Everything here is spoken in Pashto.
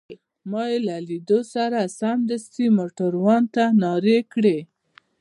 ما يې له لیدو سره سمدستي موټروان ته نارې کړې.